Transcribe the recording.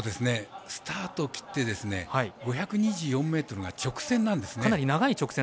スタートを切って５２４ｍが直線なんですね。